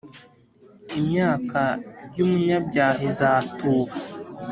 imyaka y’umunyabyaha izatuba